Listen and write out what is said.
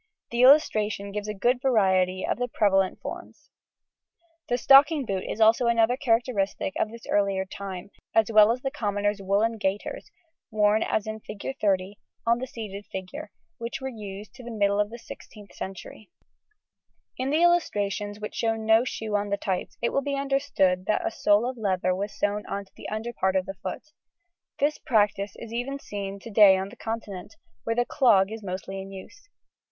The illustration gives a good variety of the prevalent forms. The stocking boot is also another characteristic of this earlier time, as well as the commoners' woollen gaiters, worn as in Fig. 30, on the seated figure, which were in use to the middle of the 16th century. [Illustration: FIG. 19. Twelfth and thirteenth centuries.] In the illustrations which show no shoe on the tights, it will be understood that a sole of leather was sewn on to the under part of the foot. This practice is even seen to day on the Continent, where the clog is mostly in use.